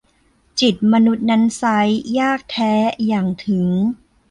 จิตมนุษย์นั้นไซร้ ยากแท้ หยั่งถึง